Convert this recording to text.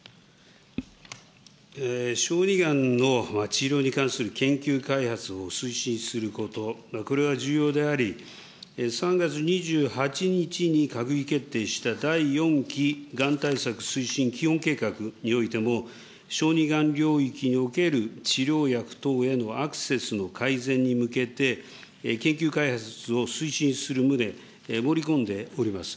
小児がんの治療に関する研究開発を推進すること、これは重要であり、３月２８日に閣議決定した第４期がん対策推進基本計画においても、小児がん領域における治療薬等へのアクセスの改善に向けて、研究開発を推進する旨、盛り込んでおります。